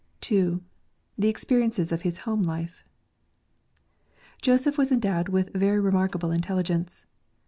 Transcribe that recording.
II. The experiences of his home life.— Joseph was endowed with very remarkable intelligence.